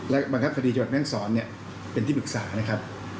และบังคับคดีจังหวัดแม่งสอนเป็นที่ปรึกษา